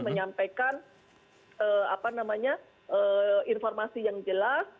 menyampaikan informasi yang jelas